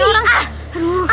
ini gimana sih